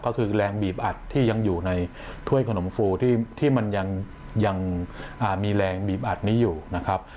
ก็คือแรงบีบอัดที่ยังอยู่ในถ้วยขนมฟูที่มันยังมีแรงบีบอัดนี้อยู่นะครับ